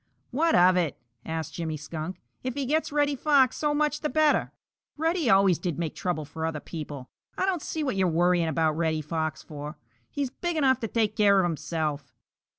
"What of it?" asked Jimmy Skunk. "If he gets Reddy Fox, so much the better. Reddy always did make trouble for other people. I don't see what you're worrying about Reddy Fox for. He's big enough to take care of himself."